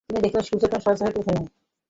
দেখিলেন, সুজা তখনো শয্যা হইতে উঠেন নাই।